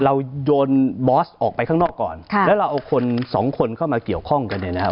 โยนบอสออกไปข้างนอกก่อนค่ะแล้วเราเอาคนสองคนเข้ามาเกี่ยวข้องกันเนี่ยนะครับ